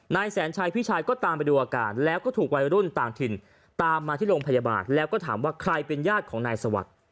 นายแสนชัยพี่ชายก็ตามไปดูอาการแล้วก็ถูกวัยรุ่นต่างถิ่นตามมาที่โรงพยาบาลแล้วก็ถามว่าใครเป็นญาติของนายสวัสดิ์